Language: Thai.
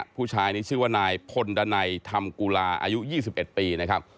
ผู้ชายนี้ชื่อว่านายพลดันัยธรรมกุลาอายุ๒๑ปีนะครับ